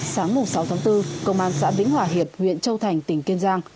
sáng sáu tháng bốn công an xã vĩnh hòa hiệp huyện châu thành tỉnh kiên giang